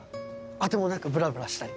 当てもなくブラブラしたり。